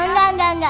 enggak enggak enggak